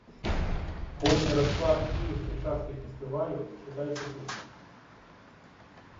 Поўны расклад кіеўскай часткі фестывалю чытайце тут.